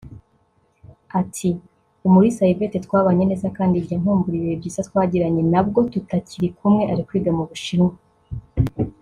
Ati “ Umulisa Yvette twabanye neza kandi njya nkumbura ibihe byiza twagiranye nabwo tutakiri kumwe ari kwiga mu Bushinwa “